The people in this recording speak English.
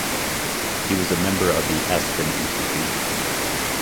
He was member of the Aspen Institute.